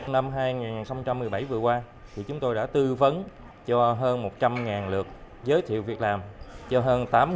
năm hai nghìn một mươi bảy vừa qua chúng tôi đã tư vấn cho hơn một trăm linh lượt giới thiệu việc làm cho hơn tám lao động